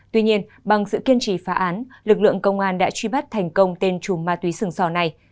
tuy nhiên bằng sự kiên trì phá án lực lượng công an đã truy bắt thành công tên chùm ma túy sừng sò này